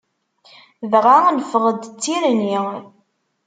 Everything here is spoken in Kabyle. Dɣa neffeɣ-d d tirni.